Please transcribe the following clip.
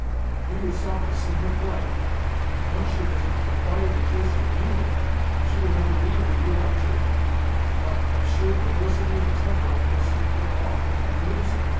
You yourself have seen her play. Once she has acquired the taste for gambling, she will never leave the roulette table, but, of sheer perversity and temper, will stake her all, and lose it.